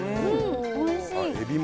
おいしい！